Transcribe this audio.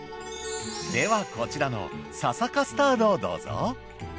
ではこちらの笹カスタードをどうぞ。